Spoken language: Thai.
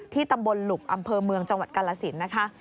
ตำบลหลุบอำเภอเมืองจังหวัดกาลสินนะคะ